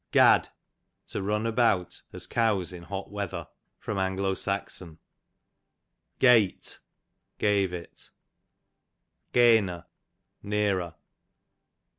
S. Gad, to run about, as cows in hot weather. A. S. Gaight, gave it. Gainer, nearer.